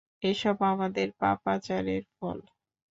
এসব আমাদের পাপাচারের ফল।